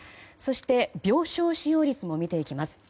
そして病床使用率も見ていきます。